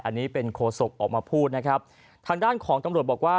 อันนี้เป็นโคศกออกมาพูดนะครับทางด้านของตำรวจบอกว่า